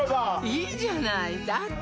いいじゃないだって